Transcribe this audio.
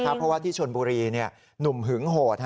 เพราะว่าที่ชนบุรีหนุ่มหึงโหด